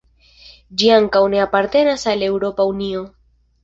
Ĝi ankaŭ ne apartenas al Eŭropa Unio.